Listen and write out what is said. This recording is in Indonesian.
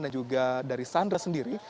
dan juga dari sandra sendiri